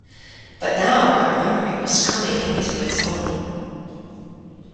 But now her memory was coming into its own.